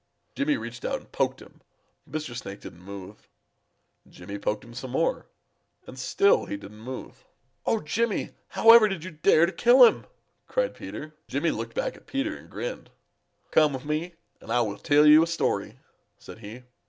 Jimmy reached out and poked him, but Mr. Snake didn't move. Jimmy poked him some more, and still he didn't move. [Illustration: 0211] "Oh, Jimmy, however did you dare to try to kill him?" cried Peter. Jimmy looked back at Peter and grinned. "Come on with me, and I will tell you a story," said he.